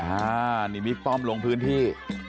อันนี้บิ๊กป้อมลงพื้นที่